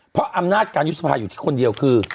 เพราะอำนาจการยุบสภาอยู่ที่คนเดียวคือ